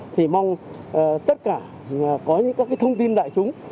thì mong tất cả có những các thông tin đại chúng